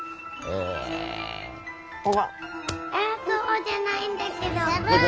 えっそこじゃないんだけど。